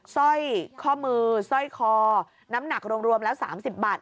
สร้อยข้อมือสร้อยคอน้ำหนักรวมแล้ว๓๐บาท